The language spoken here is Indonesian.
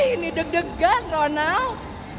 ini deg degan ronald